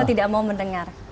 atau tidak mau mendengar